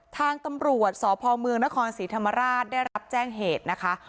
ทางตำรวจสพเมืองนครศรีธรรมราชได้รับแจ้งเหตุนะคะ